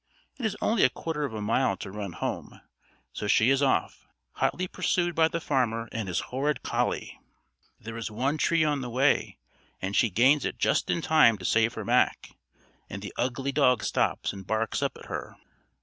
It is only a quarter of a mile to run home; so she is off, hotly pursued by the farmer and his horrid collie. There is one tree on the way, and she gains it just in time to save her back; and the ugly dog stops and barks up at her.